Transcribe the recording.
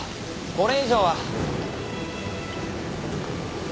これ以上は。